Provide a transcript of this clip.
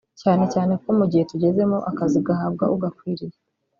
cyane cyane ko mu gihe tugezemo akazi gahabwa ugakwiriye